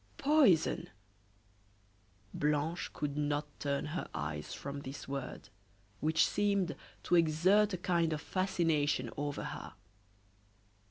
"Poison!" Blanche could not turn her eyes from this word, which seemed to exert a kind of fascination over her.